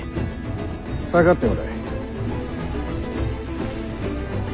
下がっておれ。